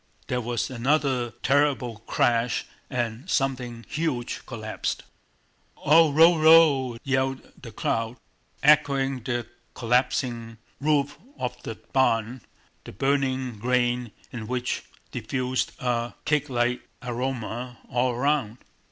There was another terrible crash and something huge collapsed. "Ou rou rou!" yelled the crowd, echoing the crash of the collapsing roof of the barn, the burning grain in which diffused a cakelike aroma all around.